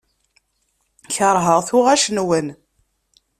Keṛheɣ tuɣac-nwen.